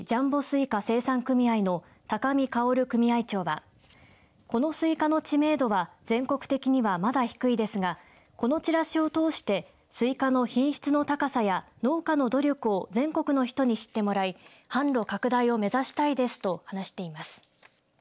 西瓜生産組合の高見薫組合長はこのスイカの知名度は全国的にはまだ低いですがこのチラシを通してスイカの品質の高さや農家の努力を全国の人に知ってもらい販路拡大を目指したいですと話しています。